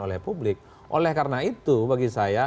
oleh publik oleh karena itu bagi saya